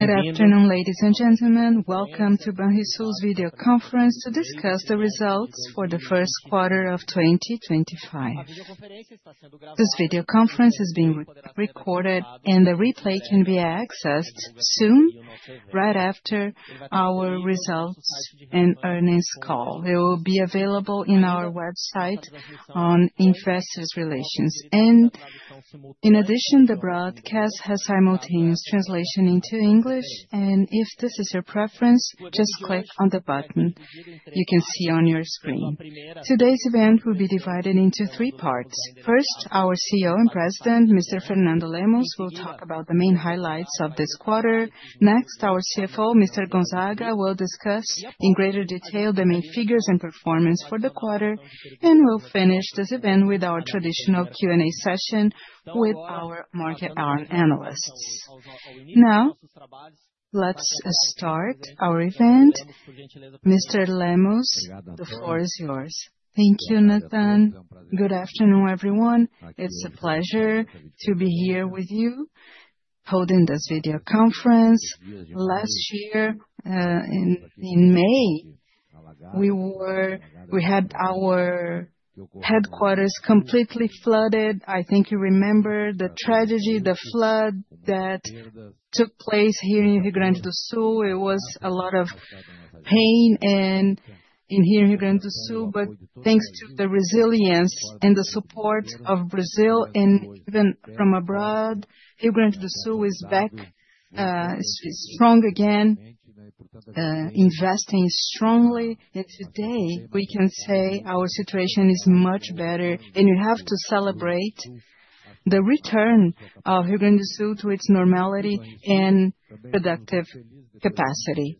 Good afternoon, ladies and gentlemen. Welcome to Banco do Estado do Rio Grande do Sul's video conference to discuss the results for the first quarter of 2025. This video conference is being recorded, and the replay can be accessed soon, right after our results and earnings call. It will be available on our website on investors' relations. In addition, the broadcast has simultaneous translation into English, and if this is your preference, just click on the button you can see on your screen. Today's event will be divided into three parts. First, our CEO and President, Mr. Fernando Lemos, will talk about the main highlights of this quarter. Next, our CFO, Mr. João Gonzaga, will discuss in greater detail the main figures and performance for the quarter, and we'll finish this event with our traditional Q&A session with our market analysts. Now, let's start our event. Mr. Lemos, the floor is yours. Thank you, Nathan. Good afternoon, everyone. It's a pleasure to be here with you holding this video conference. Last year, in May, we had our headquarters completely flooded. I think you remember the tragedy, the flood that took place here in Rio Grande do Sul. It was a lot of pain in here in Rio Grande do Sul, but thanks to the resilience and the support of Brazil and even from abroad, Rio Grande do Sul is back, is strong again, investing strongly. Today, we can say our situation is much better, and we have to celebrate the return of Rio Grande do Sul to its normality and productive capacity.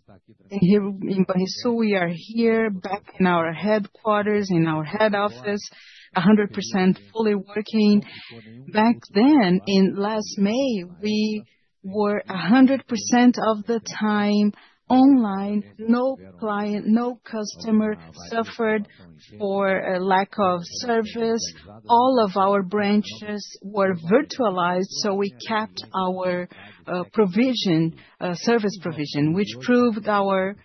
In Rio Grande do Sul, we are here back in our headquarters, in our head office, 100% fully working. Back then, in last May, we were 100% of the time online. No client, no customer suffered for a lack of service. All of our branches were virtualized, so we kept our service provision, which proved our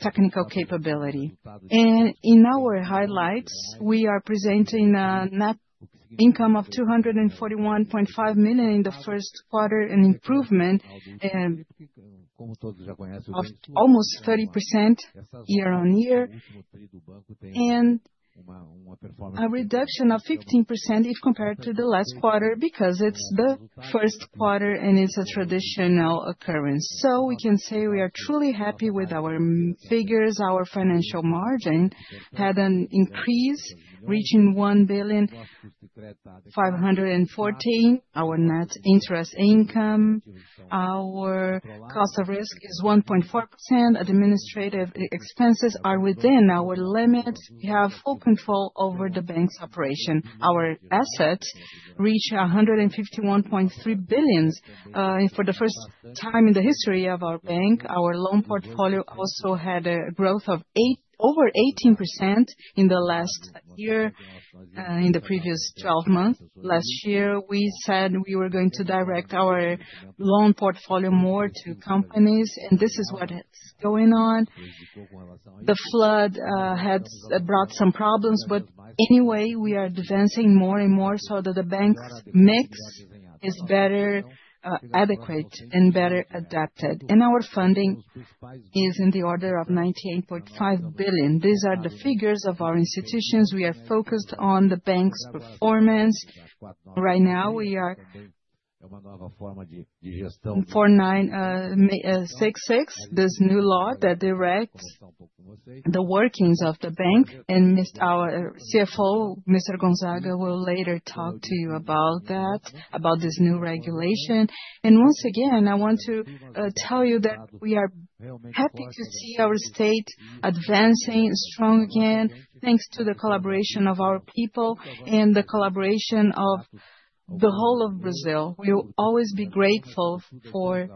technical capability. In our highlights, we are presenting an income of $241.5 million in the first quarter, an improvement of almost 30% year on year, and a reduction of 15% if compared to the last quarter because it is the first quarter and it is a traditional occurrence. We can say we are truly happy with our figures. Our financial margin had an increase, reaching $1 billion 514. Our net interest income, our cost of risk is 1.4%. Administrative expenses are within our limits. We have full control over the bank's operation. Our assets reach 151.3 billion. For the first time in the history of our bank, our loan portfolio also had a growth of over 18% in the last year, in the previous 12 months. Last year, we said we were going to direct our loan portfolio more to companies, and this is what is going on. The flood had brought some problems, but anyway, we are advancing more and more so that the bank's mix is better adequate and better adapted. Our funding is in the order of 98.5 billion. These are the figures of our institutions. We are focused on the bank's performance. Right now, we are for 66, this new law that directs the workings of the bank. Our CFO, Mr. Gonzaga, will later talk to you about that, about this new regulation. Once again, I want to tell you that we are happy to see our state advancing strong again, thanks to the collaboration of our people and the collaboration of the whole of Brazil. We will always be grateful for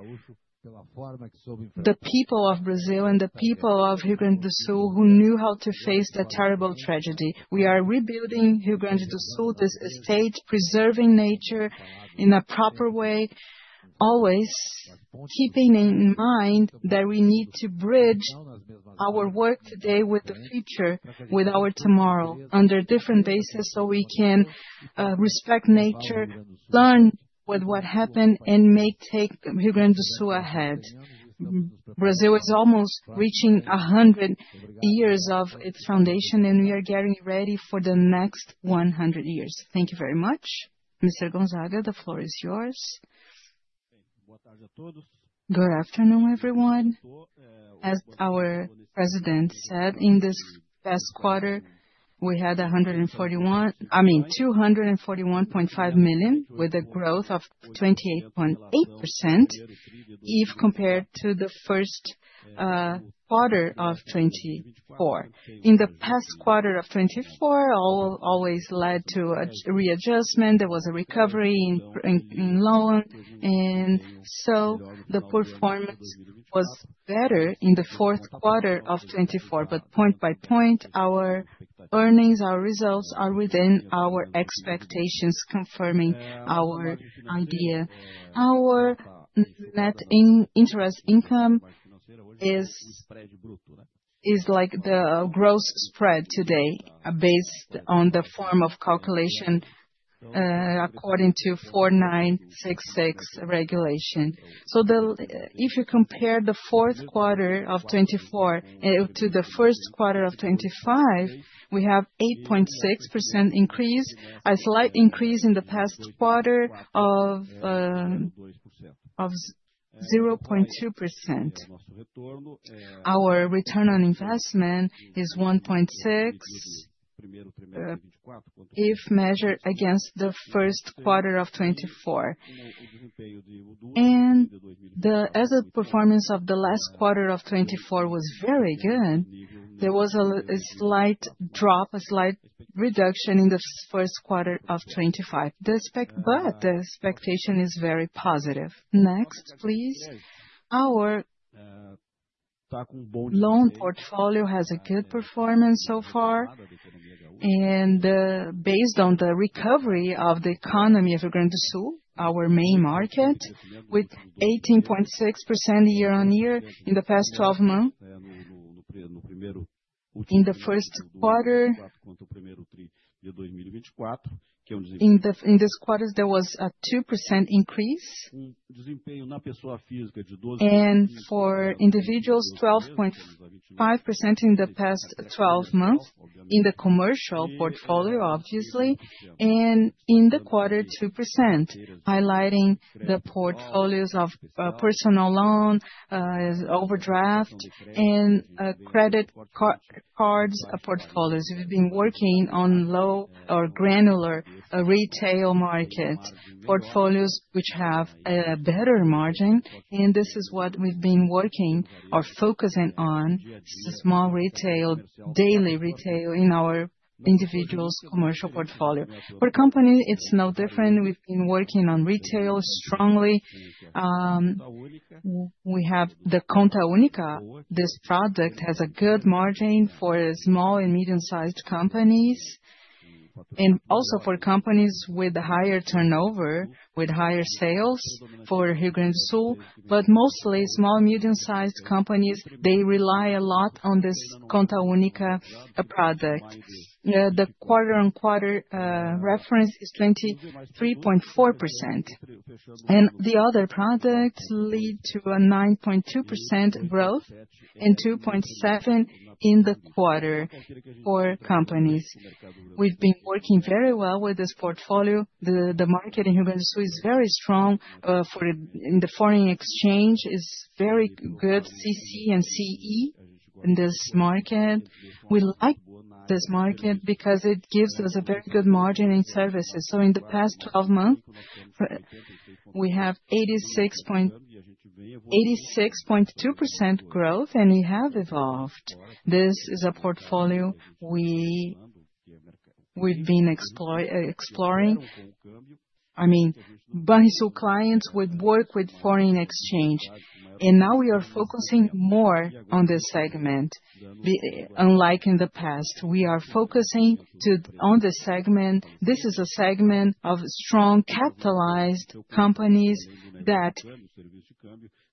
the people of Brazil and the people of Rio Grande do Sul who knew how to face the terrible tragedy. We are rebuilding Rio Grande do Sul, this state, preserving nature in a proper way, always keeping in mind that we need to bridge our work today with the future, with our tomorrow, under different bases so we can respect nature, learn with what happened, and may take Rio Grande do Sul ahead. Brazil is almost reaching 100 years of its foundation, and we are getting ready for the next 100 years. Thank you very much. Mr. Gonzaga, the floor is yours. Good afternoon, everyone. As our President said, in this past quarter, we had 241.5 million with a growth of 28.8% if compared to the first quarter of 2024. In the past quarter of 2024, always led to a readjustment. There was a recovery in loans, and so the performance was better in the fourth quarter of 2024. Point by point, our earnings, our results are within our expectations, confirming our idea. Our net interest income is like the gross spread today, based on the form of calculation according to Resolution 4.966 regulation. If you compare the fourth quarter of 2024 to the first quarter of 2025, we have an 8.6% increase, a slight increase in the past quarter of 0.2%. Our return on investment is 1.6 if measured against the first quarter of 2024. As the performance of the last quarter of 2024 was very good, there was a slight drop, a slight reduction in the first quarter of 2025. The expectation is very positive. Next, please. Our loan portfolio has a good performance so far, and based on the recovery of the economy of Rio Grande do Sul, our main market, with 18.6% year on year in the past 12 months. In the first quarter in this quarter, there was a 2% increase and for individuals, 12.5% in the past 12 months in the commercial portfolio, obviously, and in the quarter, 2%. Highlighting the portfolios of personal loan, overdraft, and credit cards portfolios. We've been working on low or granular retail market portfolios which have a better margin, and this is what we've been working or focusing on: small retail, daily retail in our individuals' commercial portfolio. For companies, it's no different. We've been working on retail strongly. We have the Conta Única. This product has a good margin for small and medium-sized companies and also for companies with higher turnover, with higher sales for Rio Grande do Sul. Mostly small and medium-sized companies, they rely a lot on this Conta Única product. The quarter-on-quarter reference is 23.4%. The other products lead to a 9.2% growth and 2.7% in the quarter for companies. We've been working very well with this portfolio. The market in Rio Grande do Sul is very strong. In the foreign exchange, it's very good, CC and CE in this market. We like this market because it gives us a very good margin in services. In the past 12 months, we have 86.2% growth, and we have evolved. This is a portfolio we've been exploring. I mean, Banrisul clients would work with foreign exchange, and now we are focusing more on this segment, unlike in the past. We are focusing on the segment. This is a segment of strong capitalized companies that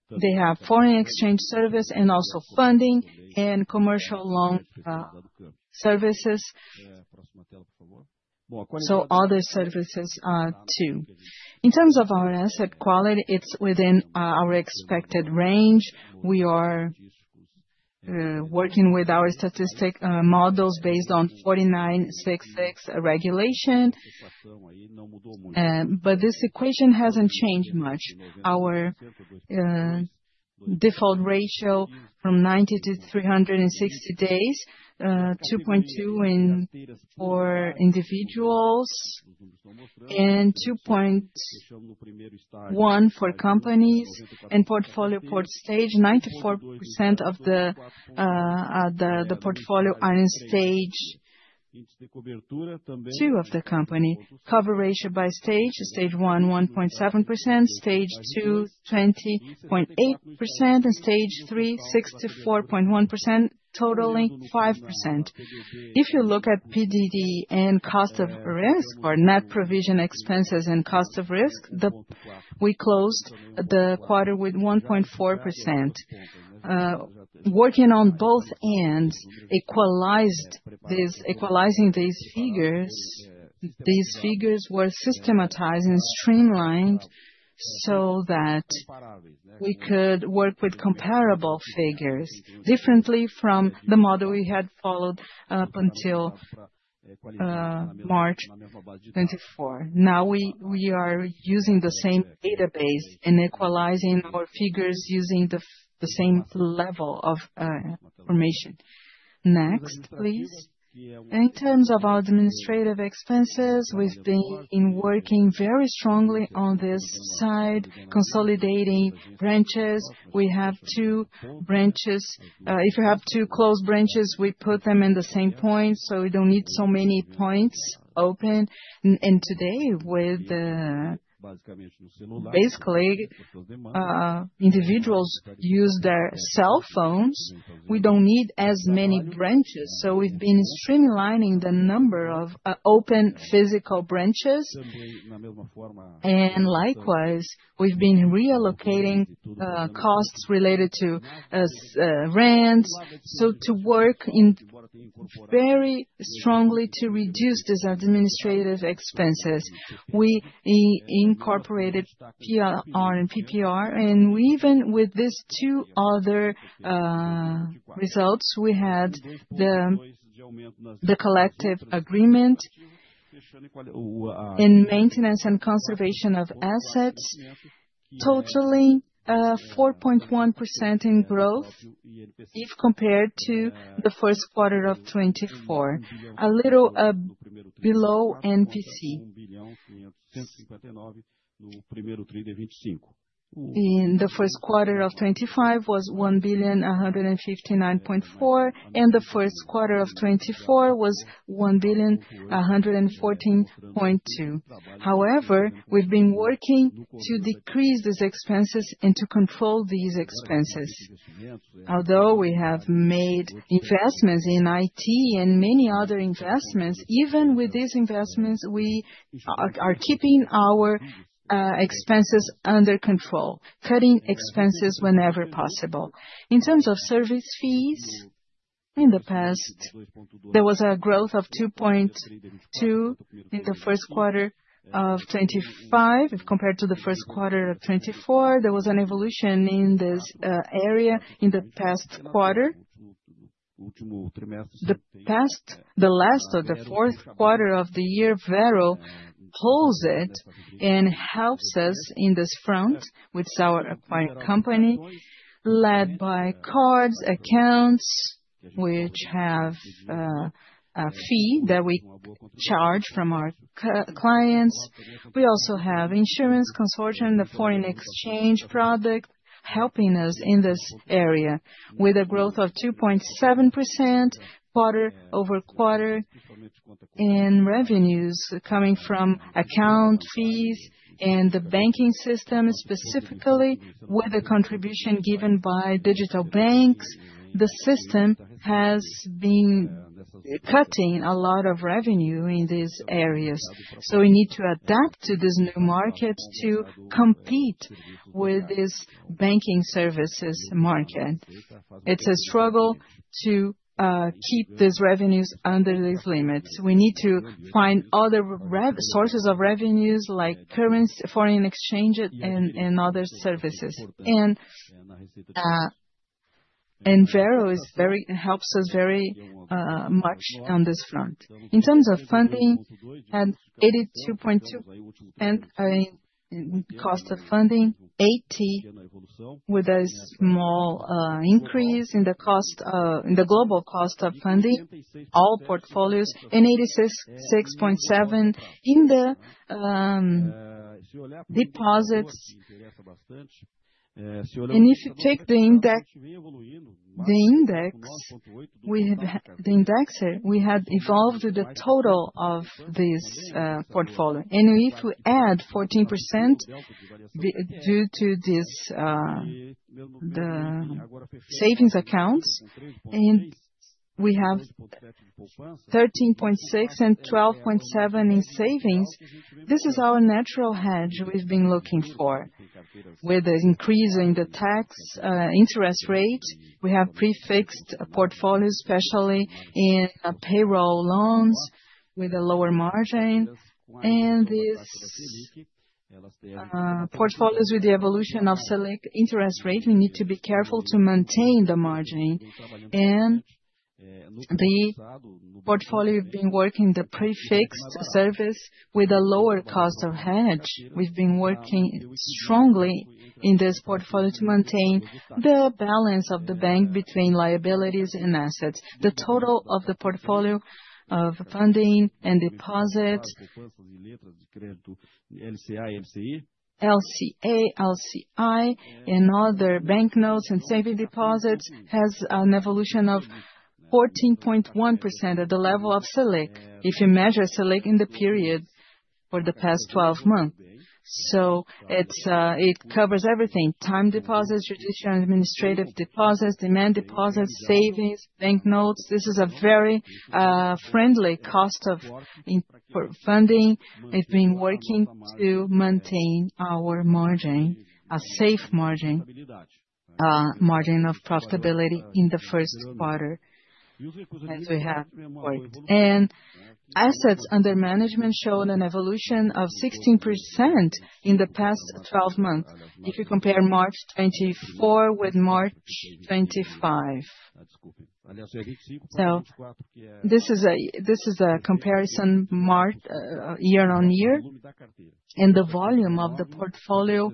they have foreign exchange service and also funding and commercial loan services. Other services too. In terms of our asset quality, it's within our expected range. We are working with our statistic models based on Resolution 4966 regulation, but this equation hasn't changed much. Our default ratio from 90 to 360 days, 2.2% for individuals and 2.1% for companies. And portfolio per stage, 94% of the portfolio are in stage two of the company. Cover ratio by stage, stage one, 1.7%, stage two, 20.8%, and stage three, 64.1%, totaling 5%. If you look at PDD and cost of risk or net provision expenses and cost of risk, we closed the quarter with 1.4%. Working on both ends, equalizing these figures, these figures were systematized and streamlined so that we could work with comparable figures differently from the model we had followed up until March 2024. Now we are using the same database and equalizing our figures using the same level of information. Next, please. In terms of our administrative expenses, we've been working very strongly on this side, consolidating branches. We have two branches. If we have two closed branches, we put them in the same point so we don't need so many points open. Today, with basically individuals using their cell phones, we don't need as many branches. We've been streamlining the number of open physical branches. Likewise, we've been relocating costs related to rents. To work very strongly to reduce these administrative expenses, we incorporated PR and PPR. Even with these two other results, we had the collective agreement in maintenance and conservation of assets, totaling 4.1% in growth if compared to the first quarter of 2024, a little below NPC. In the first quarter of 2025, it was 1,159.4, and the first quarter of 2024 was 1,114.2. However, we've been working to decrease these expenses and to control these expenses. Although we have made investments in IT and many other investments, even with these investments, we are keeping our expenses under control, cutting expenses whenever possible. In terms of service fees, in the past, there was a growth of 2.2% in the first quarter of 2025. If compared to the first quarter of 2024, there was an evolution in this area in the past quarter. The last or the fourth quarter of the year very well holds it and helps us in this front with our acquired company led by cards, accounts, which have a fee that we charge from our clients. We also have insurance consortium, the foreign exchange product helping us in this area with a growth of 2.7% quarter over quarter in revenues coming from account fees and the banking system specifically with the contribution given by digital banks. The system has been cutting a lot of revenue in these areas. We need to adapt to this new market to compete with this banking services market. It's a struggle to keep these revenues under these limits. We need to find other sources of revenues like foreign exchange and other services. Vero helps us very much on this front. In terms of funding, we had 82.2% cost of funding, 80 with a small increase in the global cost of funding, all portfolios, and 86.7% in the deposits. If you take the index, the index, we have evolved with the total of this portfolio. If we add 14% due to these savings accounts, and we have 13.6% and 12.7% in savings, this is our natural hedge we've been looking for. With the increase in the tax interest rate, we have prefixed portfolios, especially in payroll loans with a lower margin. These portfolios with the evolution of select interest rate, we need to be careful to maintain the margin. The portfolio we've been working in the prefixed service with a lower cost of hedge, we've been working strongly in this portfolio to maintain the balance of the bank between liabilities and assets. The total of the portfolio of funding and deposits, LCA, LCI, and other bank notes and saving deposits has an evolution of 14.1% at the level of select if you measure select in the period for the past 12 months. It covers everything: time deposits, judicial administrative deposits, demand deposits, savings, bank notes. This is a very friendly cost of funding. We've been working to maintain our margin, a safe margin, margin of profitability in the first quarter as we have worked. Assets under management showed an evolution of 16% in the past 12 months. If you compare March 2024 with March 2025, this is a comparison year on year and the volume of the portfolio.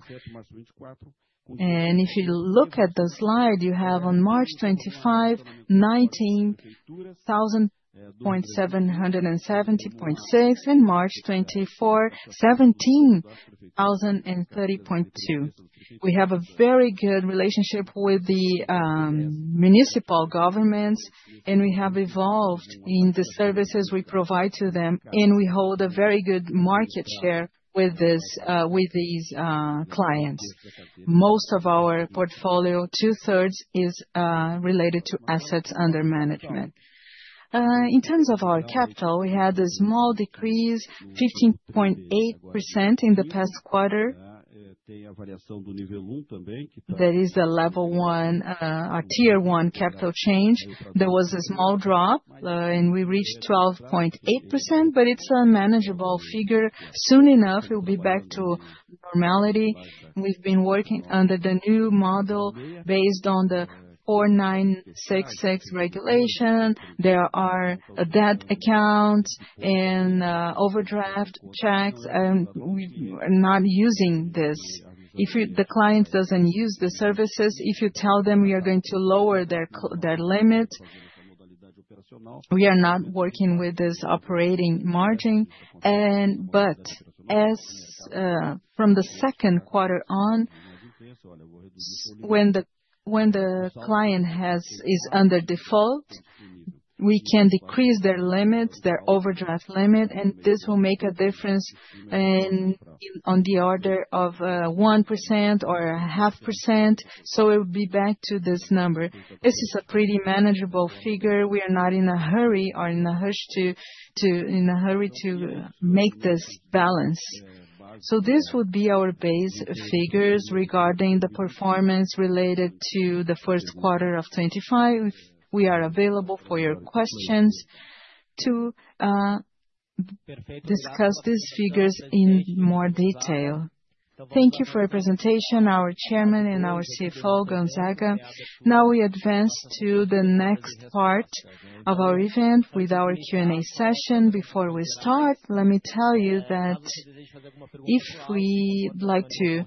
If you look at the slide, you have on March 2025, 19,770.6, and March 2024, 17,030.2. We have a very good relationship with the municipal governments, and we have evolved in the services we provide to them, and we hold a very good market share with these clients. Most of our portfolio, two-thirds, is related to assets under management. In terms of our capital, we had a small decrease, 15.8% in the past quarter. That is a level one, a tier one capital change. There was a small drop, and we reached 12.8%, but it's a manageable figure. Soon enough, it will be back to normality. We've been working under the new model based on the Resolution 4.966 regulation. There are debt accounts and overdraft checks, and we are not using this. If the client doesn't use the services, if you tell them we are going to lower their limit, we are not working with this operating margin. From the second quarter on, when the client is under default, we can decrease their limits, their overdraft limit, and this will make a difference on the order of 1% or 0.5%. It will be back to this number. This is a pretty manageable figure. We are not in a hurry or in a hurry to make this balance. This would be our base figures regarding the performance related to the first quarter of 2025. We are available for your questions to discuss these figures in more detail. Thank you for your presentation, our Chairman and our CFO, Gonzaga. Now we advance to the next part of our event with our Q&A session. Before we start, let me tell you that if you'd like to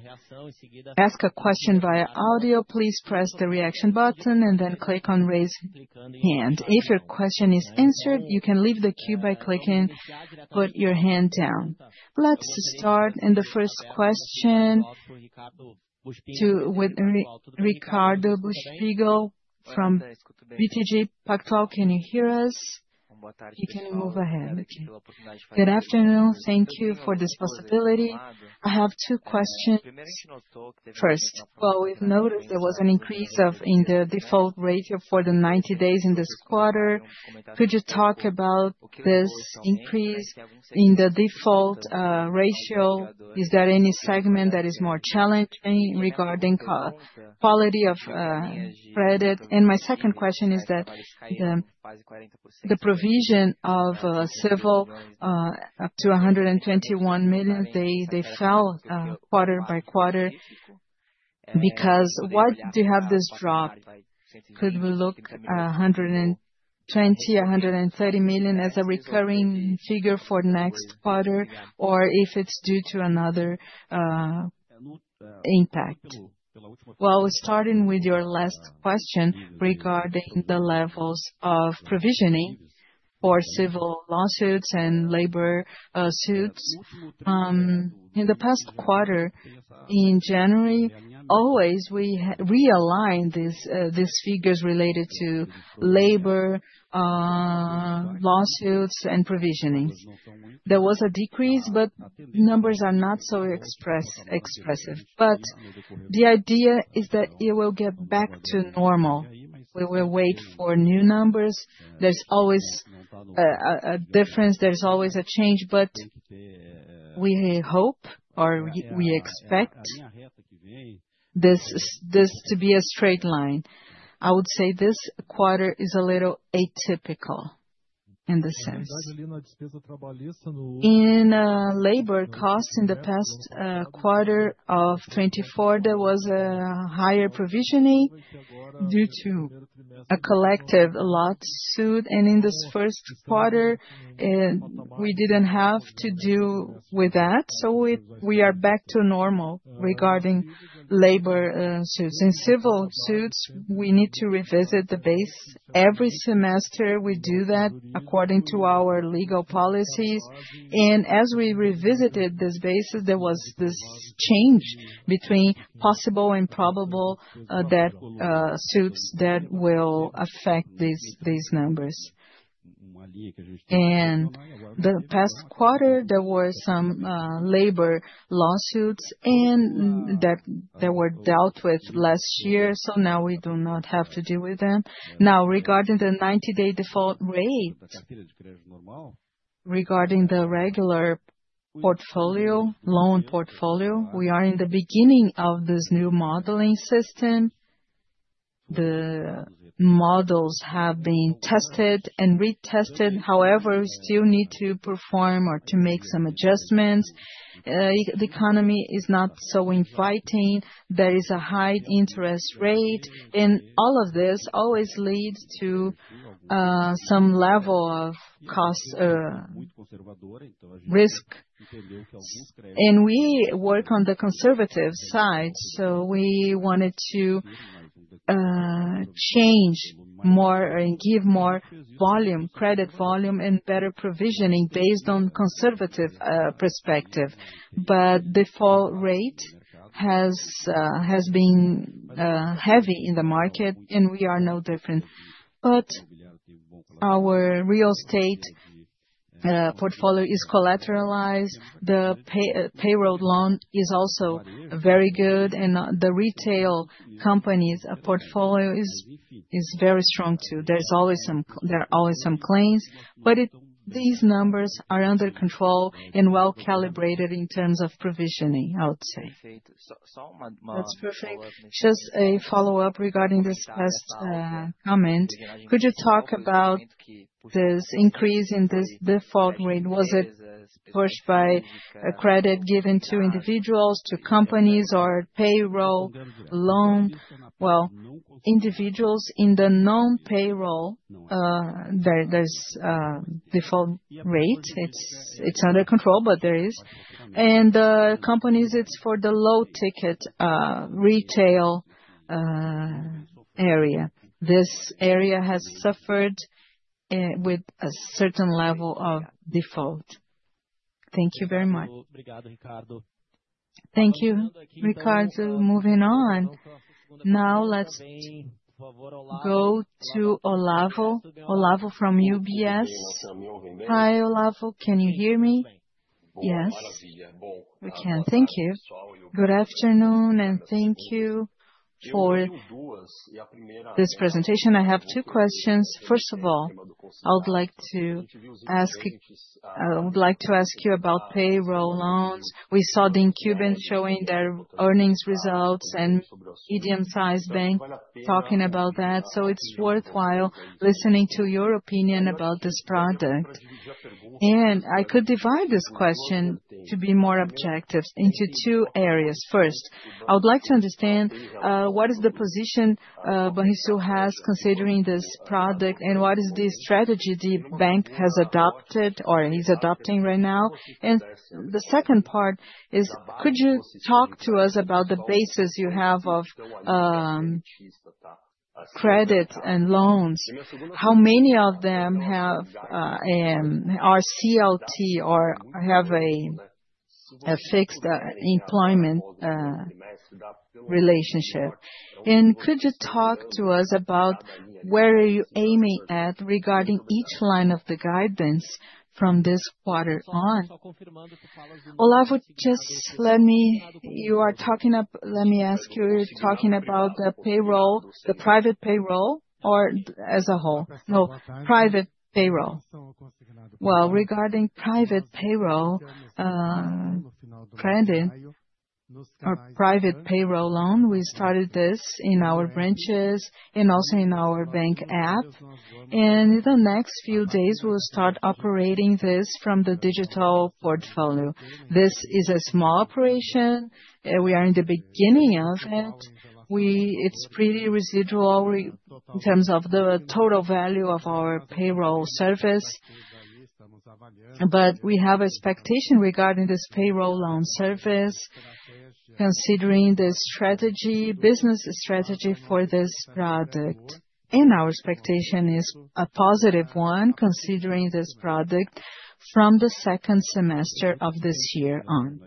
ask a question via audio, please press the reaction button and then click on raise hand. If your question is answered, you can leave the queue by clicking put your hand down. Let's start in the first question to Ricardo Busquet from BTG Pactual. Can you hear us? You can move ahead. Good afternoon. Thank you for this possibility. I have two questions. First, we've noticed there was an increase in the default ratio for the 90 days in this quarter. Could you talk about this increase in the default ratio? Is there any segment that is more challenging regarding quality of credit? My second question is that the provision of civil up to 121 million, they fell quarter by quarter because why do you have this drop? Could we look at 120 million-130 million as a recurring figure for next quarter, or if it's due to another impact? Starting with your last question regarding the levels of provisioning for civil lawsuits and labor suits. In the past quarter, in January, always we realigned these figures related to labor lawsuits and provisioning. There was a decrease, but numbers are not so expressive. The idea is that it will get back to normal. We will wait for new numbers. There's always a difference. There's always a change, but we hope or we expect this to be a straight line. I would say this quarter is a little atypical in the sense. In labor costs in the past quarter of 2024, there was a higher provisioning due to a collective lawsuit. In this first quarter, we did not have to deal with that. We are back to normal regarding labor suits. In civil suits, we need to revisit the base. Every semester, we do that according to our legal policies. As we revisited these bases, there was this change between possible and probable suits that will affect these numbers. In the past quarter, there were some labor lawsuits that were dealt with last year, so now we do not have to deal with them. Now, regarding the 90-day default rate, regarding the regular portfolio, loan portfolio, we are in the beginning of this new modeling system. The models have been tested and retested. However, we still need to perform or to make some adjustments. The economy is not so inviting. There is a high interest rate, and all of this always leads to some level of cost of risk. We work on the conservative side, so we wanted to change more and give more volume, credit volume, and better provisioning based on a conservative perspective. Default rate has been heavy in the market, and we are no different. Our real estate portfolio is collateralized. The payroll loan is also very good, and the retail company's portfolio is very strong too. There is always some claims, but these numbers are under control and well calibrated in terms of provisioning, I would say. That's perfect. Just a follow-up regarding this past comment. Could you talk about this increase in this default rate? Was it pushed by a credit given to individuals, to companies, or payroll loan? Individuals in the non-payroll, there is default rate. It's under control, but there is. Companies, it's for the low-ticket retail area. This area has suffered with a certain level of default. Thank you very much. Thank you, Ricardo. Moving on. Now let's go to Olavo from UBS. Hi, Olavo. Can you hear me? Yes. We can. Thank you. Good afternoon, and thank you for this presentation. I have two questions. First of all, I would like to ask you about payroll loans. We saw the incumbent showing their earnings results and medium-sized banks talking about that. It is worthwhile listening to your opinion about this project. I could divide this question to be more objective into two areas. First, I would like to understand what is the position Banco do Estado has considering this project, and what is the strategy the bank has adopted or is adopting right now. The second part is, could you talk to us about the basis you have of credit and loans? How many of them are CLT or have a fixed employment relationship? Could you talk to us about where you are aiming at regarding each line of the guidance from this quarter on? Olavo, just let me—you are talking up—let me ask you, you're talking about the payroll, the private payroll, or as a whole? No, private payroll. Regarding private payroll, credit or private payroll loan, we started this in our branches and also in our bank app. In the next few days, we'll start operating this from the digital portfolio. This is a small operation. We are in the beginning of it. It's pretty residual in terms of the total value of our payroll service. We have expectations regarding this payroll loan service considering the business strategy for this project. Our expectation is a positive one considering this project from the second semester of this year on.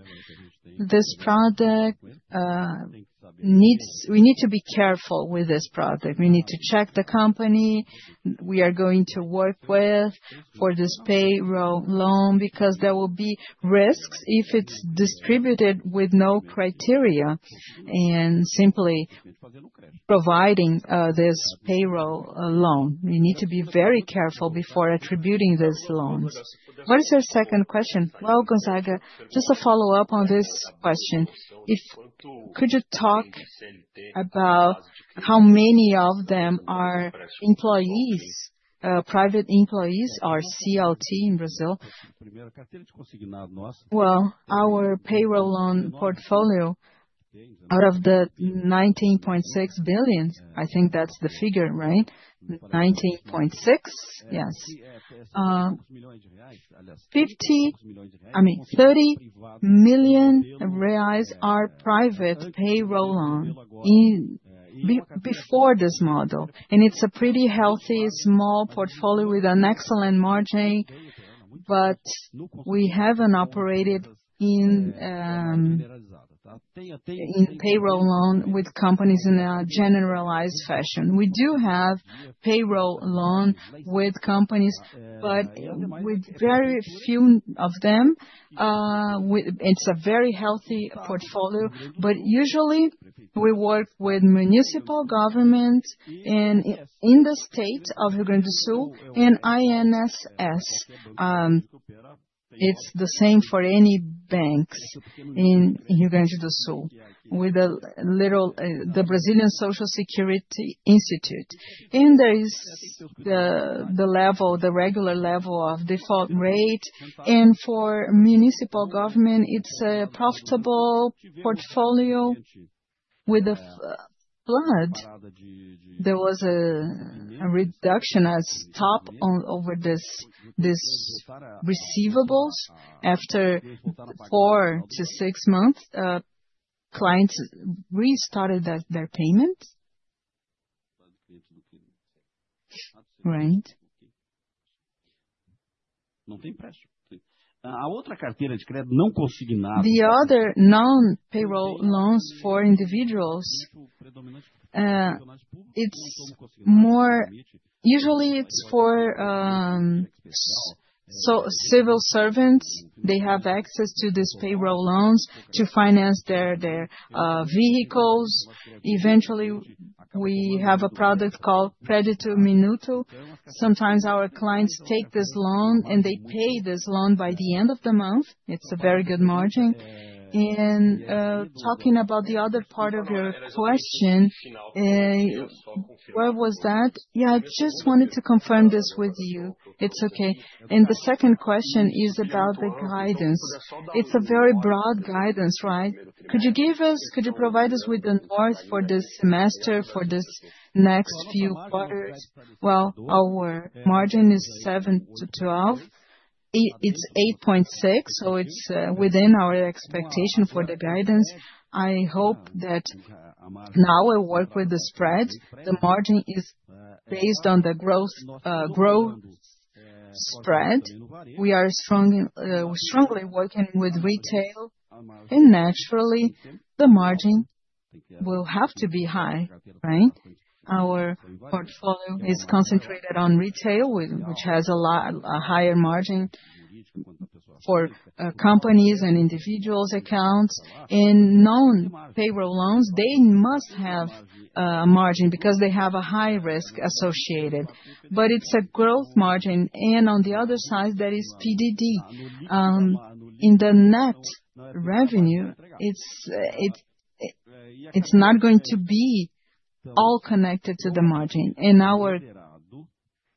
We need to be careful with this project. We need to check the company we are going to work with for this payroll loan because there will be risks if it is distributed with no criteria and simply providing this payroll loan. We need to be very careful before attributing these loans. What is your second question? Gonzaga, just a follow-up on this question. Could you talk about how many of them are employees, private employees, or CLT in Brazil? Our payroll loan portfolio out of the 19.6 billion, I think that is the figure, right? BRL 19.6, yes. BRL 30 million are private payroll loans before this model. It is a pretty healthy, small portfolio with an excellent margin, but we have not operated in payroll loan with companies in a generalized fashion. We do have payroll loan with companies, but with very few of them. It's a very healthy portfolio, but usually, we work with municipal governments in the state of Rio Grande do Sul and INSS. It's the same for any banks in Rio Grande do Sul with the Brazilian Social Security Institute. There is the regular level of default rate. For municipal government, it's a profitable portfolio. With the flood, there was a reduction as top over these receivables. After four to six months, clients restarted their payments, right? The other non-payroll loans for individuals, usually it's for civil servants. They have access to these payroll loans to finance their vehicles. Eventually, we have a product called Crédito Minuto. Sometimes our clients take this loan, and they pay this loan by the end of the month. It's a very good margin. Talking about the other part of your question, where was that? Yeah, I just wanted to confirm this with you. It's okay. The second question is about the guidance. It's a very broad guidance, right? Could you give us, could you provide us with the north for this semester, for this next few quarters? Our margin is 7-12%. It's 8.6%, so it's within our expectation for the guidance. I hope that now we work with the spread. The margin is based on the growth spread. We are strongly working with retail, and naturally, the margin will have to be high, right? Our portfolio is concentrated on retail, which has a higher margin for companies and individuals' accounts. Non-payroll loans, they must have a margin because they have a high risk associated. It's a growth margin. On the other side, there is PDD. In the net revenue, it's not going to be all connected to the margin. In our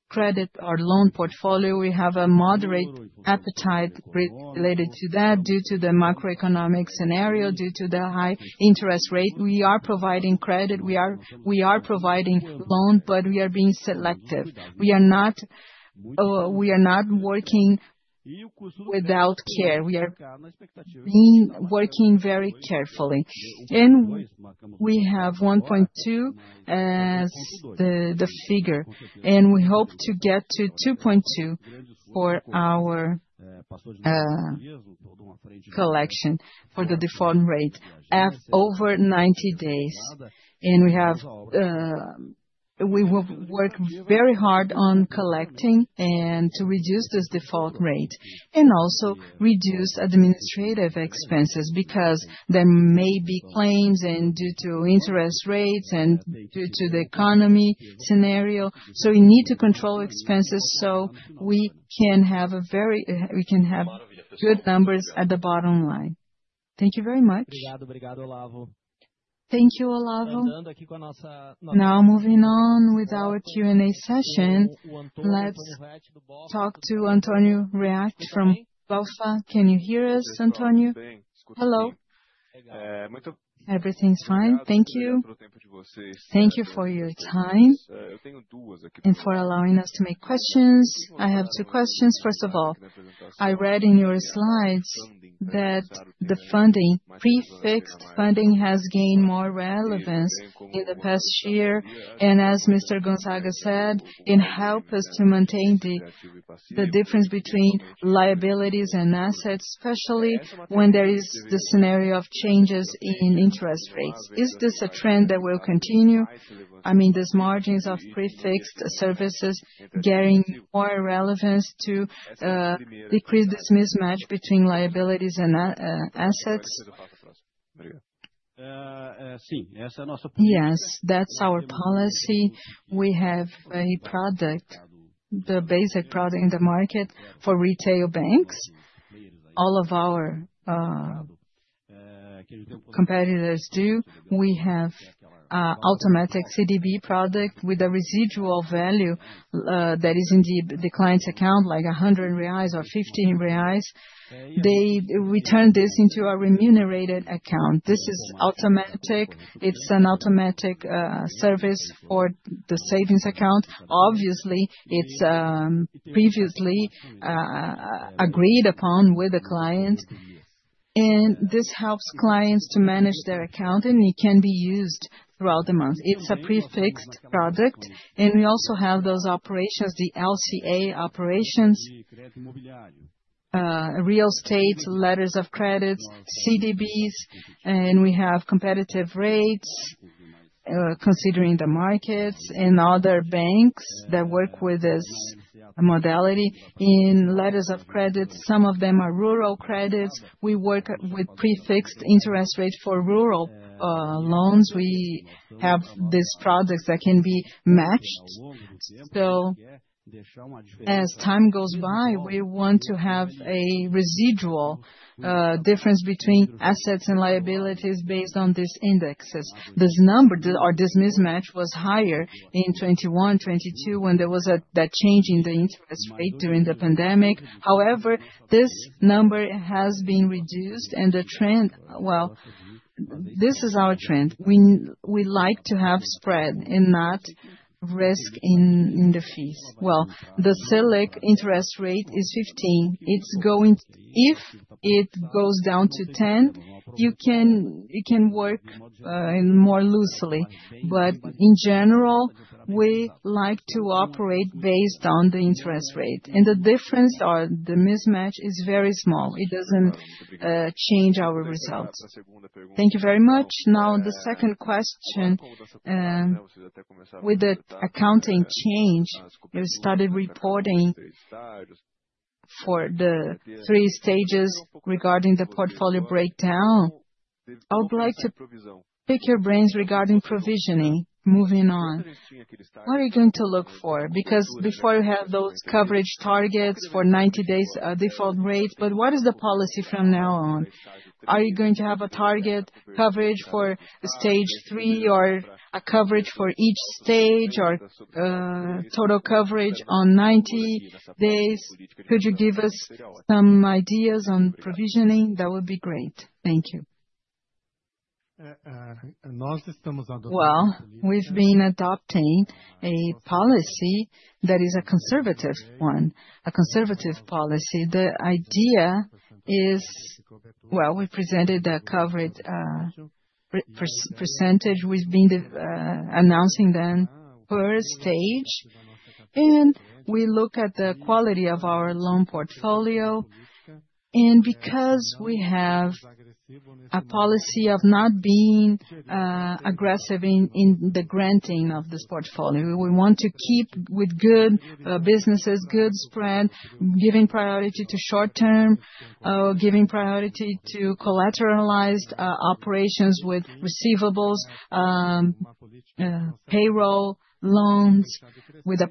credit or loan portfolio, we have a moderate appetite related to that due to the macroeconomic scenario, due to the high interest rate. We are providing credit. We are providing loans, but we are being selective. We are not working without care. We are working very carefully. We have 1.2 as the figure. We hope to get to 2.2 for our collection for the default rate over 90 days. We will work very hard on collecting and to reduce this default rate and also reduce administrative expenses because there may be claims and due to interest rates and due to the economy scenario. We need to control expenses so we can have a very—we can have good numbers at the bottom line. Thank you very much. Thank you, Olavo. Now moving on with our Q&A session. Let's talk to Antonio Reck from Goldman Sachs. Can you hear us, Antonio? Hello? Everything's fine. Thank you. Thank you for your time and for allowing us to make questions. I have two questions. First of all, I read in your slides that the pre-fixed funding has gained more relevance in the past year. And as Mr. Gonzaga said, it helps us to maintain the difference between liabilities and assets, especially when there is the scenario of changes in interest rates. Is this a trend that will continue? I mean, these margins of pre-fixed services gaining more relevance to decrease this mismatch between liabilities and assets? Yes, that's our policy. We have a product, the basic product in the market for retail banks. All of our competitors do. We have an automatic CDB product with a residual value that is in the client's account, like 100 reais or 15 reais. They return this into our remunerated account. This is automatic. It's an automatic service for the savings account. Obviously, it's previously agreed upon with the client. This helps clients to manage their account, and it can be used throughout the month. It's a pre-fixed product. We also have those operations, the LCA operations, real estate, letters of credits, CDBs. We have competitive rates considering the markets and other banks that work with this modality. In letters of credit, some of them are rural credits. We work with pre-fixed interest rates for rural loans. We have these products that can be matched. As time goes by, we want to have a residual difference between assets and liabilities based on these indexes. This number, or this mismatch, was higher in 2021, 2022, when there was that change in the interest rate during the pandemic. However, this number has been reduced, and the trend is our trend. We like to have spread and not risk in the fees. The Select interest rate is 15. If it goes down to 10, you can work more loosely. In general, we like to operate based on the interest rate. The difference or the mismatch is very small. It does not change our results. Thank you very much. Now, the second question with the accounting change. You started reporting for the three stages regarding the portfolio breakdown. I would like to pick your brains regarding provisioning. Moving on. What are you going to look for? Because before you have those coverage targets for 90 days default rate, but what is the policy from now on? Are you going to have a target coverage for stage three or a coverage for each stage or total coverage on 90 days? Could you give us some ideas on provisioning? That would be great. Thank you. We have been adopting a policy that is a conservative one, a conservative policy. The idea is, we presented the coverage percentage. We have been announcing them per stage. We look at the quality of our loan portfolio. Because we have a policy of not being aggressive in the granting of this portfolio, we want to keep with good businesses, good spread, giving priority to short-term, giving priority to collateralized operations with receivables, payroll loans. With a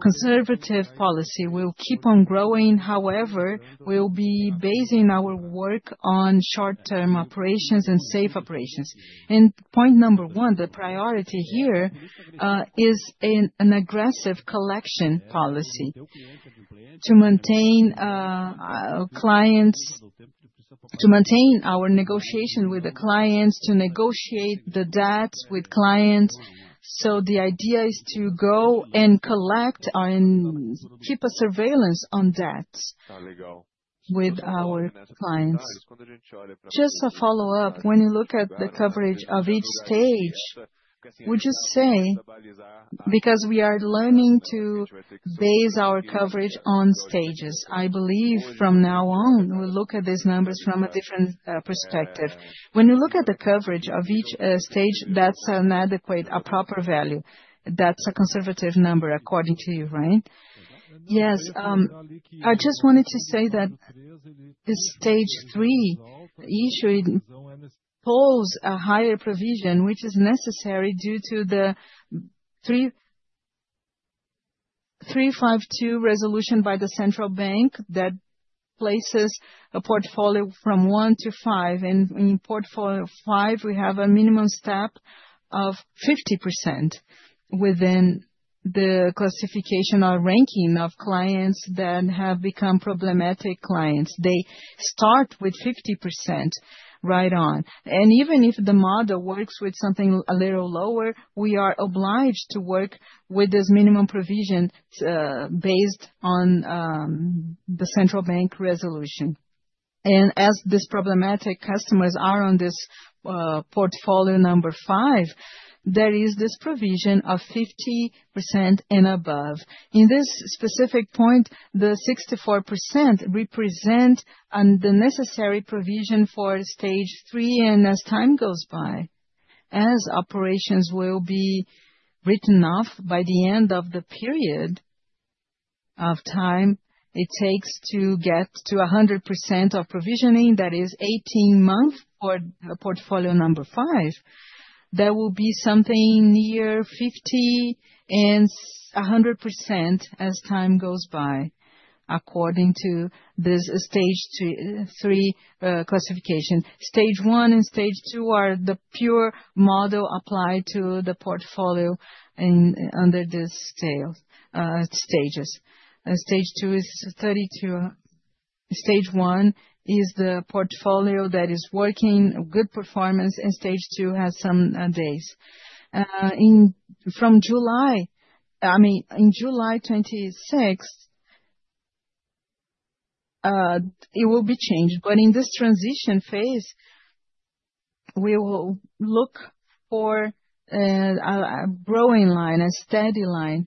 conservative policy, we will keep on growing. However, we'll be basing our work on short-term operations and safe operations. Point number one, the priority here is an aggressive collection policy to maintain our negotiation with the clients, to negotiate the debts with clients. The idea is to go and collect and keep a surveillance on debts with our clients. Just a follow-up. When you look at the coverage of each stage, would you say, because we are learning to base our coverage on stages, I believe from now on, we look at these numbers from a different perspective. When you look at the coverage of each stage, that's an adequate, a proper value. That's a conservative number, according to you, right? Yes. I just wanted to say that the stage three issue pulls a higher provision, which is necessary due to the 4.966 resolution by the central bank that places a portfolio from 1 to 5. In portfolio 5, we have a minimum step of 50% within the classification or ranking of clients that have become problematic clients. They start with 50% right on. Even if the model works with something a little lower, we are obliged to work with this minimum provision based on the central bank resolution. As these problematic customers are on this portfolio number 5, there is this provision of 50% and above. In this specific point, the 64% represent the necessary provision for stage 3. As time goes by, as operations will be written off by the end of the period of time it takes to get to 100% of provisioning, that is 18 months for portfolio number 5, there will be something near 50%-100% as time goes by, according to this stage 3 classification. Stage 1 and stage 2 are the pure model applied to the portfolio under these stages. Stage 2 is 32. Stage 1 is the portfolio that is working, good performance, and stage 2 has some days. From July, I mean, in July 26, it will be changed. In this transition phase, we will look for a growing line, a steady line.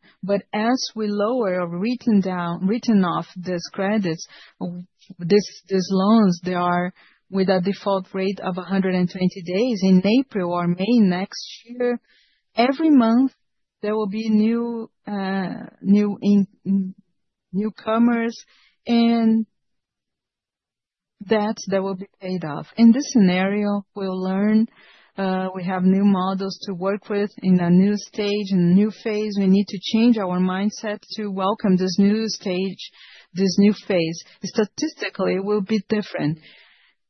As we lower or write off these credits, these loans, they are with a default rate of 120 days in April or May next year. Every month, there will be new newcomers, and debts that will be paid off. In this scenario, we'll learn we have new models to work with in a new stage and a new phase. We need to change our mindset to welcome this new stage, this new phase. Statistically, it will be different.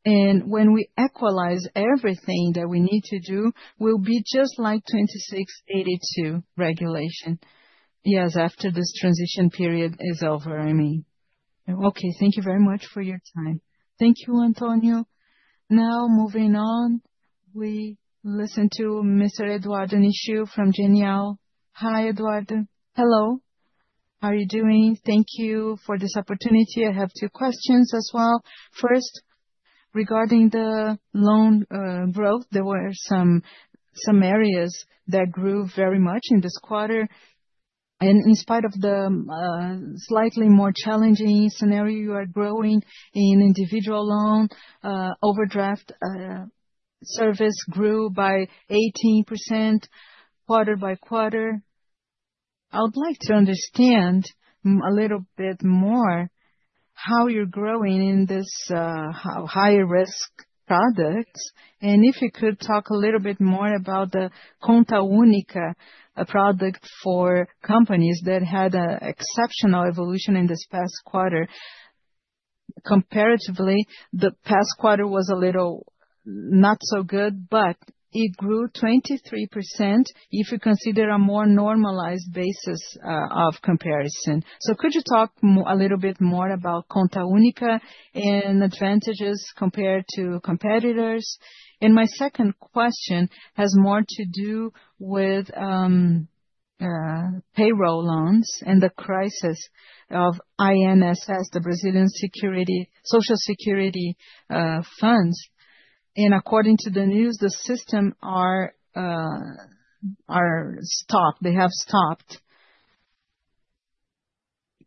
When we equalize everything that we need to do, we'll be just like 2682 regulation. Yes, after this transition period is over, I mean. Okay, thank you very much for your time. Thank you, Antonio. Now, moving on, we listen to Mr. Eduardo Nishimura from Genial. Hi, Eduardo. Hello. How are you doing? Thank you for this opportunity. I have two questions as well. First, regarding the loan growth, there were some areas that grew very much in this quarter. In spite of the slightly more challenging scenario, you are growing in individual loan overdraft service grew by 18% quarter by quarter. I would like to understand a little bit more how you're growing in this higher risk products. If you could talk a little bit more about the Conta Única product for companies that had an exceptional evolution in this past quarter. Comparatively, the past quarter was a little not so good, but it grew 23% if you consider a more normalized basis of comparison. Could you talk a little bit more about Conta Única and advantages compared to competitors? My second question has more to do with payroll loans and the crisis of INSS, the Brazilian Social Security Funds. According to the news, the systems are stopped. They have stopped.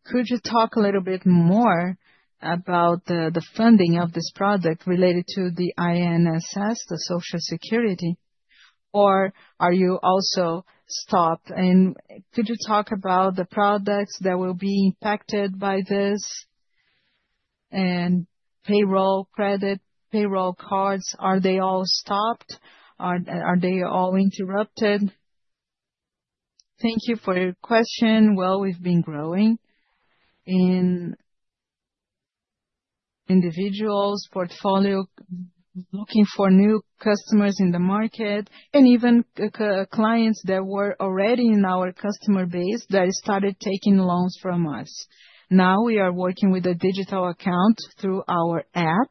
Could you talk a little bit more about the funding of this product related to the INSS, the Social Security? Or are you also stopped? Could you talk about the products that will be impacted by this? Payroll credit, payroll cards, are they all stopped? Are they all interrupted? Thank you for your question. We have been growing in individuals, portfolio, looking for new customers in the market, and even clients that were already in our customer base that started taking loans from us. Now we are working with a digital account through our app.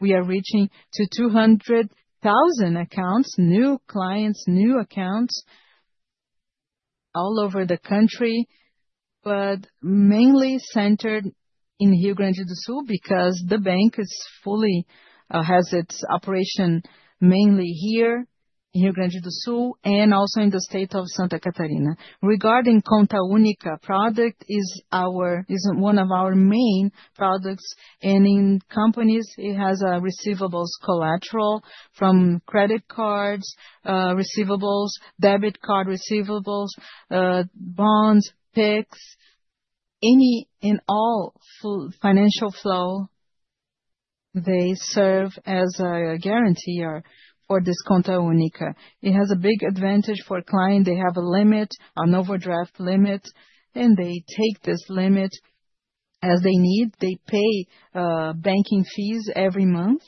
We are reaching to 200,000 accounts, new clients, new accounts all over the country, but mainly centered in Rio Grande do Sul because the bank has its operation mainly here in Rio Grande do Sul and also in the state of Santa Catarina. Regarding Conta Única, product is one of our main products. In companies, it has receivables collateral from credit cards, receivables, debit card receivables, bonds, PIX, any and all financial flow. They serve as a guarantee for this Conta Única. It has a big advantage for clients. They have a limit, an overdraft limit, and they take this limit as they need. They pay banking fees every month.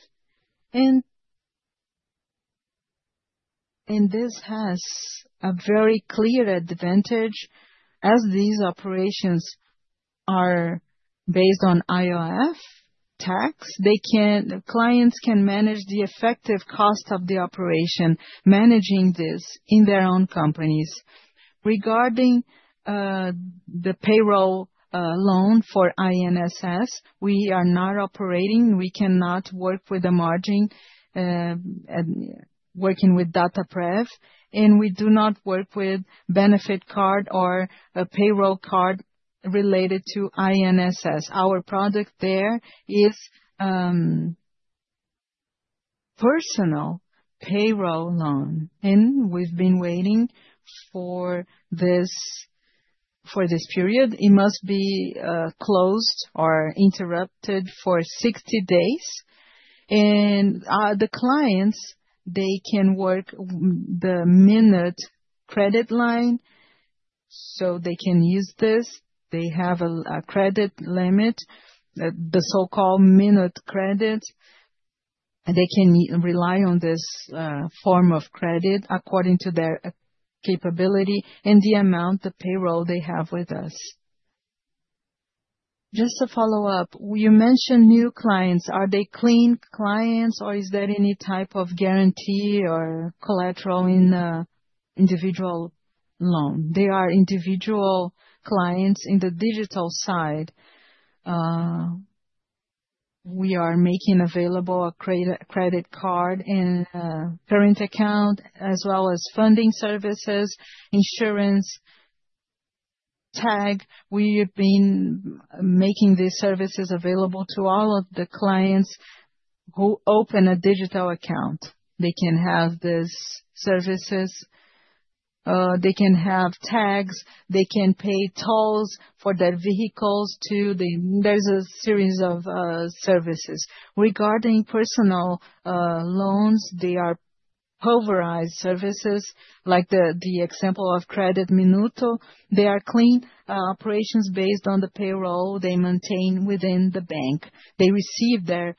This has a very clear advantage as these operations are based on IOF tax. Clients can manage the effective cost of the operation, managing this in their own companies. Regarding the payroll loan for INSS, we are not operating. We cannot work with the margin working with DataPrev. We do not work with benefit card or payroll card related to INSS. Our product there is personal payroll loan. We have been waiting for this period. It must be closed or interrupted for 60 days. The clients, they can work the minute credit line. They can use this. They have a credit limit, the so-called minute credit. They can rely on this form of credit according to their capability and the amount, the payroll they have with us. Just to follow up, you mentioned new clients. Are they clean clients, or is there any type of guarantee or collateral in individual loan? They are individual clients in the digital side. We are making available a credit card and parent account, as well as funding services, insurance tag. We have been making these services available to all of the clients who open a digital account. They can have these services. They can have tags. They can pay tolls for their vehicles too. There is a series of services. Regarding personal loans, they are pulverized services, like the example of Crédito Minuto. They are clean operations based on the payroll they maintain within the bank. They receive their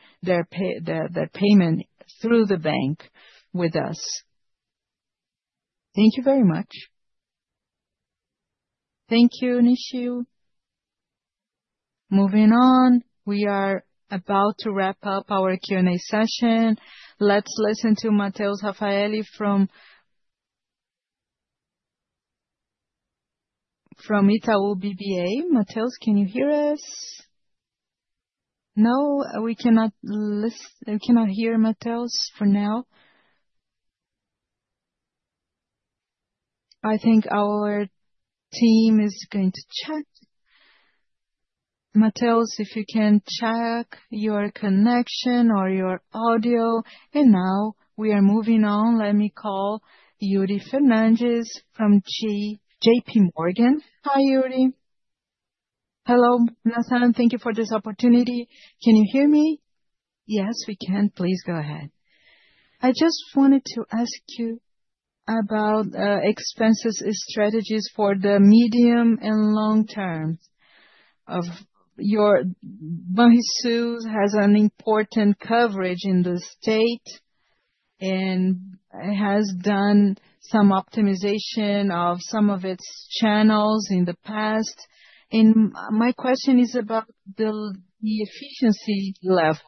payment through the bank with us. Thank you very much. Thank you, Nishu. Moving on, we are about to wrap up our Q&A session. Let's listen to Matheus Raffaeli from Itaú BBA. Matheus, can you hear us? No, we cannot hear Matheus for now. I think our team is going to check. Matheus, if you can check your connection or your audio. Now we are moving on. Let me call Yuri Fernandes from JPMorgan. Hi, Yuri. Hello, Nathan. Thank you for this opportunity. Can you hear me? Yes, we can. Please go ahead. I just wanted to ask you about expenses strategies for the medium and long term. Banrisul has an important coverage in the state and has done some optimization of some of its channels in the past. My question is about the efficiency level.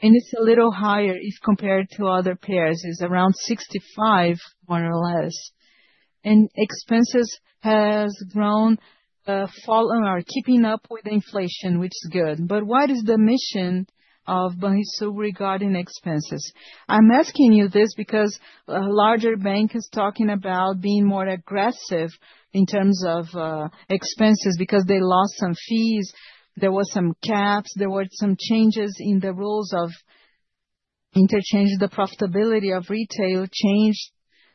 It is a little higher compared to other peers. It is around 65, more or less. Expenses have grown or are keeping up with inflation, which is good. What is the mission of Banrisul regarding expenses? I am asking you this because a larger bank is talking about being more aggressive in terms of expenses because they lost some fees. There were some caps. There were some changes in the rules of interchange. The profitability of retail changed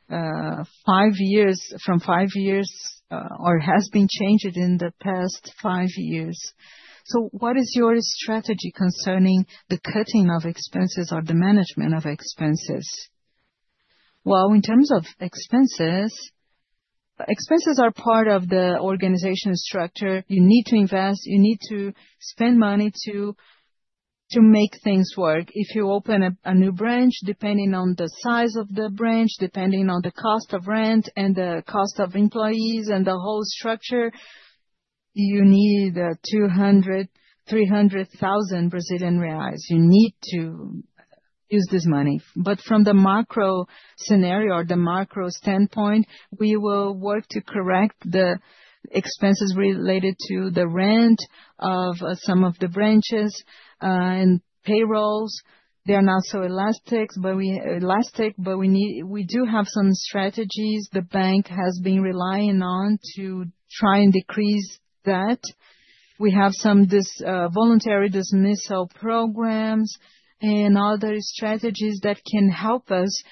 from five years or has been changed in the past five years. What is your strategy concerning the cutting of expenses or the management of expenses? In terms of expenses, expenses are part of the organization structure. You need to invest. You need to spend money to make things work. If you open a new branch, depending on the size of the branch, depending on the cost of rent and the cost of employees and the whole structure, you need 200,000-300,000 Brazilian reais. You need to use this money. From the macro scenario or the macro standpoint, we will work to correct the expenses related to the rent of some of the branches and payrolls. They are not so elastic, but we do have some strategies the bank has been relying on to try and decrease that. We have some voluntary dismissal programs and other strategies that can help us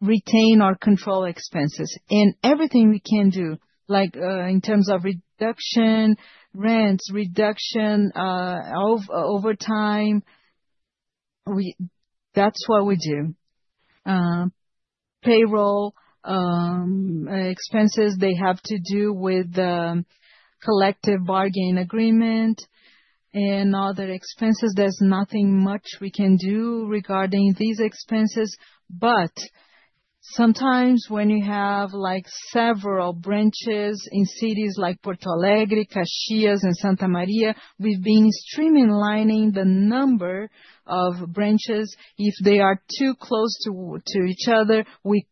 retain or control expenses. Everything we can do, like in terms of reduction, rents, reduction over time, that is what we do. Payroll expenses, they have to do with the collective bargain agreement and other expenses. There is nothing much we can do regarding these expenses. Sometimes when you have several branches in cities like Porto Alegre, Caxias do Sul, and Santa Maria, we've been streamlining the number of branches. If they are too close to each other, we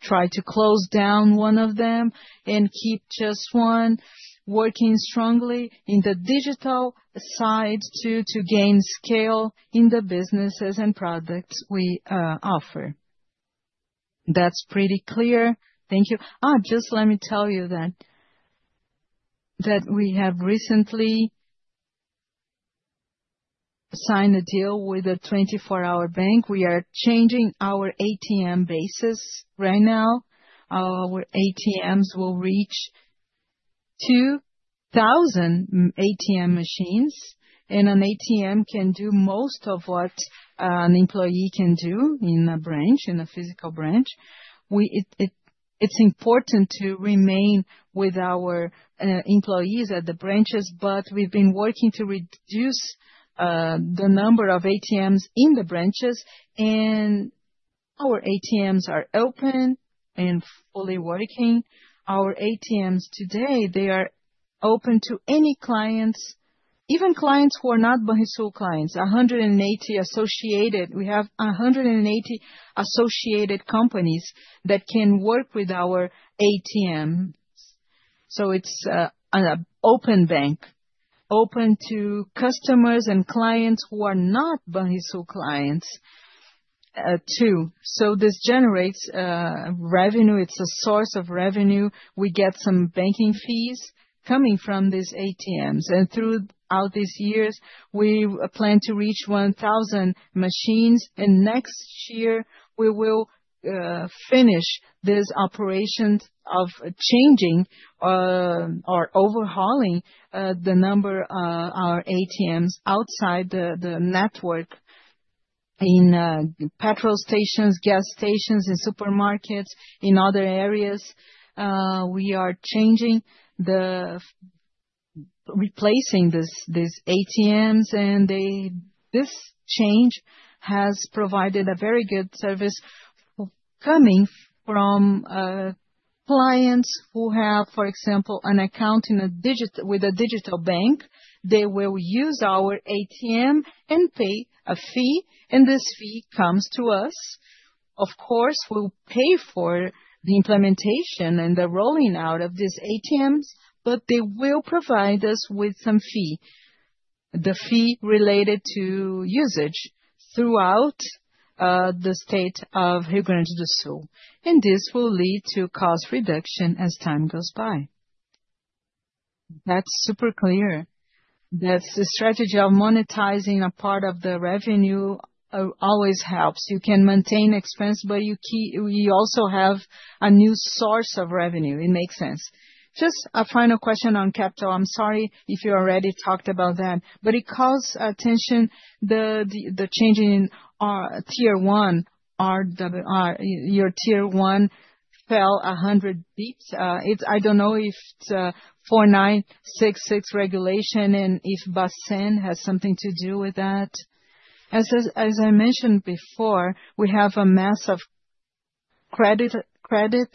try to close down one of them and keep just one working strongly in the digital side to gain scale in the businesses and products we offer. That's pretty clear. Thank you. Just let me tell you that we have recently signed a deal with a 24-hour bank. We are changing our ATM basis right now. Our ATMs will reach 2,000 ATM machines. An ATM can do most of what an employee can do in a branch, in a physical branch. It's important to remain with our employees at the branches, but we've been working to reduce the number of ATMs in the branches. Our ATMs are open and fully working. Our ATMs today, they are open to any clients, even clients who are not Banrisul clients, 180 associated. We have 180 associated companies that can work with our ATMs. It is an open bank, open to customers and clients who are not Banrisul clients too. This generates revenue. It is a source of revenue. We get some banking fees coming from these ATMs. Throughout these years, we plan to reach 1,000 machines. Next year, we will finish this operation of changing or overhauling the number of our ATMs outside the network in petrol stations, gas stations, and supermarkets in other areas. We are changing, replacing these ATMs. This change has provided a very good service coming from clients who have, for example, an account with a digital bank. They will use our ATM and pay a fee. This fee comes to us. Of course, we'll pay for the implementation and the rolling out of these ATMs, but they will provide us with some fee, the fee related to usage throughout the state of Rio Grande do Sul. This will lead to cost reduction as time goes by. That's super clear. That's the strategy of monetizing a part of the revenue always helps. You can maintain expense, but you also have a new source of revenue. It makes sense. Just a final question on capital. I'm sorry if you already talked about that, but it calls attention the changing tier one. Your tier one fell 100 basis points. I don't know if it's Resolution 4.966 regulation and if BACEN has something to do with that. As I mentioned before, we have a massive credit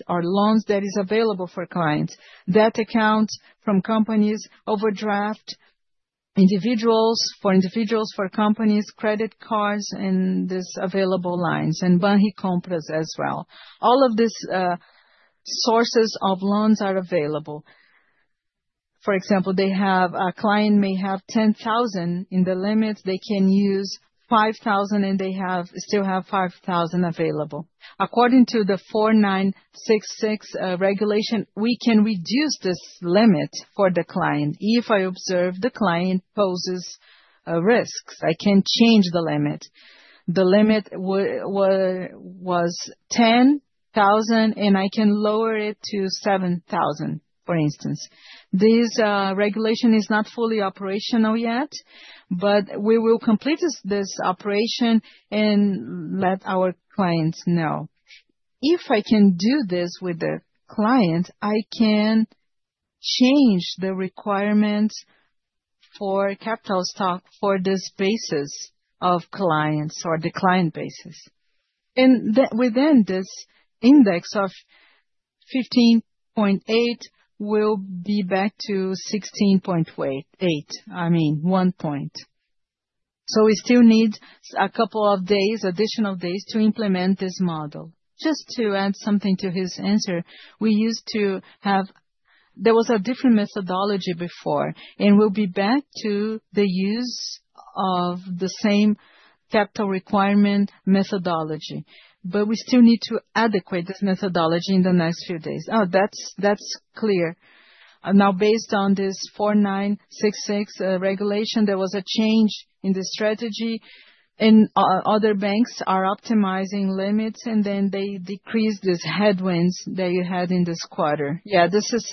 or loans that is available for clients. Debt accounts from companies, overdraft, individuals for individuals, for companies, credit cards, and these available lines, and Banri compras as well. All of these sources of loans are available. For example, they have a client may have 10,000 in the limit. They can use 5,000, and they still have 5,000 available. According to the Resolution 4.966 regulation, we can reduce this limit for the client. If I observe the client poses risks, I can change the limit. The limit was 10,000, and I can lower it to 7,000, for instance. This regulation is not fully operational yet, but we will complete this operation and let our clients know. If I can do this with the client, I can change the requirements for capital stock for this basis of clients or the client basis. And within this index of 15.8, we'll be back to 16.8, I mean, one point. We still need a couple of additional days to implement this model. Just to add something to his answer, we used to have a different methodology before, and we will be back to the use of the same capital requirement methodology. We still need to adequate this methodology in the next few days. Oh, that is clear. Now, based on this Resolution 4.966 regulation, there was a change in the strategy, and other banks are optimizing limits, and then they decrease these headwinds that you had in this quarter. Yeah, this is,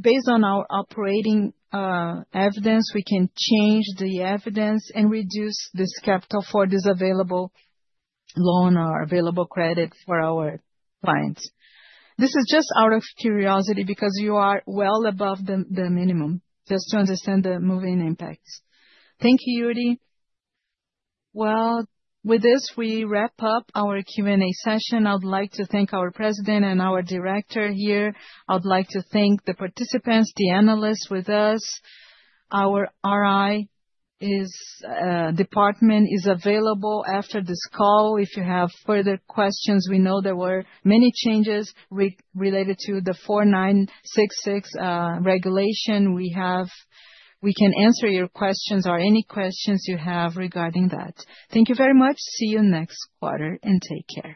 based on our operating evidence, we can change the evidence and reduce this capital for this available loan or available credit for our clients. This is just out of curiosity because you are well above the minimum, just to understand the moving impacts. Thank you, Yuri. With this, we wrap up our Q&A session. I'd like to thank our President and our Director here. I'd like to thank the participants, the analysts with us. Our RI department is available after this call. If you have further questions, we know there were many changes related to the 4.966 regulation. We can answer your questions or any questions you have regarding that. Thank you very much. See you next quarter, and take care.